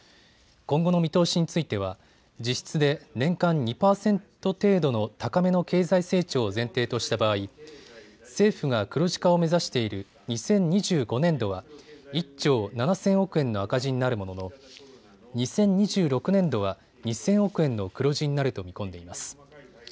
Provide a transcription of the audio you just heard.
今後の見通しについては実質で年間２％程度の高めの経済成長を前提とした場合、政府が黒字化を目指している２０２５年度は１兆７０００億円の赤字になるものの２０２６年度は２０００億円の黒字になると見込んでいます。